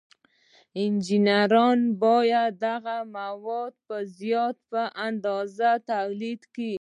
انجینران باید دغه مواد په زیاته اندازه تولید کړي.